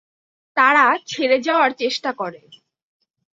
তারা ছেড়ে যাওয়ার চেষ্টা করে।